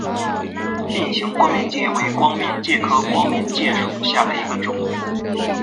变形光面介为光面介科光面介属下的一个种。